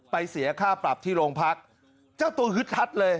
เสียค่าปรับที่โรงพักเจ้าตัวฮึดฮัดเลย